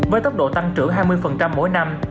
với tốc độ tăng trưởng hai mươi mỗi năm